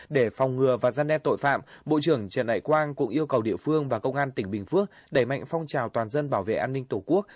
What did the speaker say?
để phòng ngừa và giăn đe tội phạm bộ trưởng trần đại quang cũng yêu cầu địa phương và công an tỉnh bình phước đẩy mạnh phong trào toàn dân bảo vệ an ninh tổ quốc